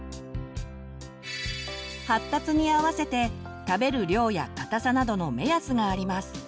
発達に合わせて食べる量や硬さなどの目安があります。